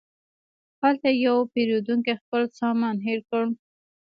هلته یو پیرودونکی خپل سامان هېر کړ.